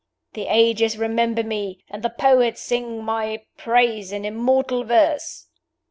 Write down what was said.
The ages remember me, and the poets sing my praise in immortal verse!"